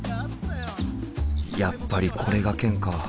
やっぱりこれがケンか。